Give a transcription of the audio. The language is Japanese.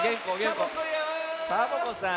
サボ子さん。